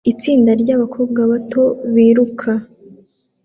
Itsinda ryabakobwa bato biruka